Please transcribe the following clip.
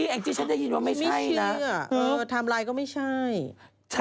แองจี้ฉันจะยึดว่าไม่ใช่นะ